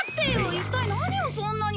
一体何をそんなに。